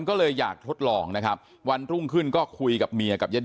ก็เลยอยากทดลองนะครับวันรุ่งขึ้นก็คุยกับเมียกับญาติ